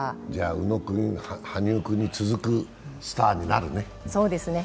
宇野君、羽生君に続くスターになるね。